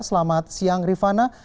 selamat siang rifana